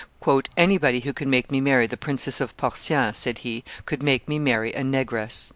"Anybody who can make me marry the Princess of Portien," said he, "could make me marry a negress."